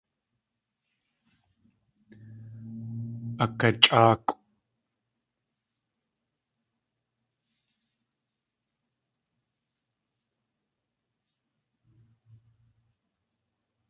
Akachʼáakʼw.